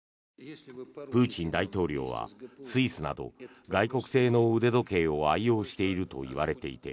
プーチン大統領はスイスなど外国製の腕時計を愛用しているといわれていて